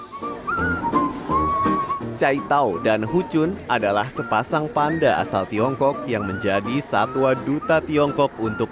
hai caitau dan hucun adalah sepasang panda asal tiongkok yang menjadi satwa duta tiongkok untuk